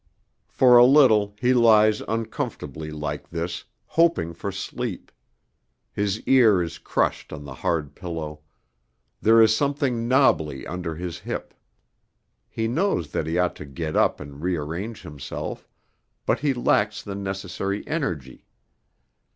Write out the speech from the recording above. For a little he lies uncomfortably like this, hoping for sleep; his ear is crushed on the hard pillow; there is something knobbly under his hip. He knows that he ought to get up and re arrange himself but he lacks the necessary energy.